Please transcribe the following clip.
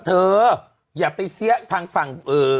เธออย่าไปเสี้ยทางฝั่งเอาแล้ว